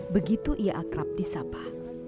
begitu ia akrab di sapa